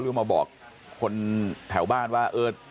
หรือมาบอกคนแถวบ้านว่าเออ